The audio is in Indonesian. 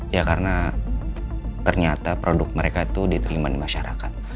ya karena ternyata produk mereka itu diterima di masyarakat